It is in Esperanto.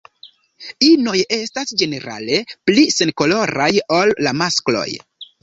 Inoj estas ĝenerale pli senkoloraj ol la maskloj.